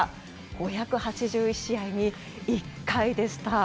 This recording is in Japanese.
５８１試合に１回でした。